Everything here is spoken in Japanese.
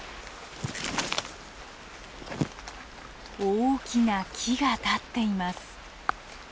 大きな木が立っています。